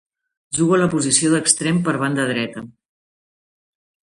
Juga a la posició d'extrem per banda dreta.